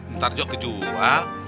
ntar juga kejual